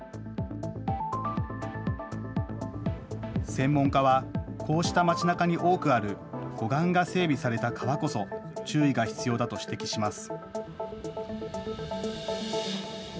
専門家はこうした街なかに多くある護岸が整備された川こそ注意が必要だと指摘します。